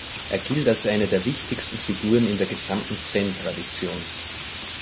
Er gilt als eine der wichtigsten Figuren in der gesamten Zen-Tradition.